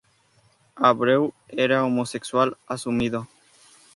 Abreu era homosexual asumido.